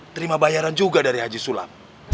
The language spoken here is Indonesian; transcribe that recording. terima bayaran juga dari haji sulap